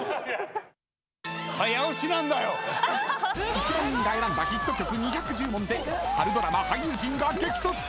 ［１万人が選んだヒット曲２１０問で春ドラマ俳優陣が激突］